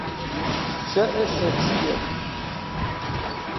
شعر شکسپیر